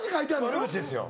悪口ですよ。